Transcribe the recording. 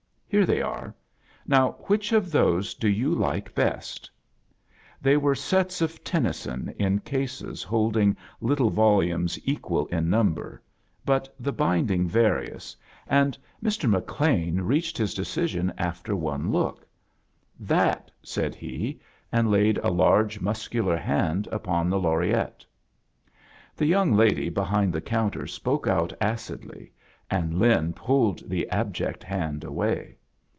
Here they are. Ncv, which of those do you like best?" Tfiey were sets of Tennyson in cases holding little volumes equal in number, but the binding various, and Mr. McLean A JOURNEY IN SEARCH OF CHRISTMAS reached his decision after one look. "That," said he, and laid a lai^e, muscular hand upon the Laureate. The young lady be hind the counter spoke out acidly, and Lin pulled the abject hand away.